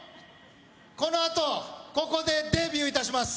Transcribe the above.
このあとここでデビューいたします。